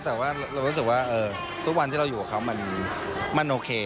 แต่ว่าเรารู้สึกว่าทุกวันที่เราอยู่กับเขามันโอเค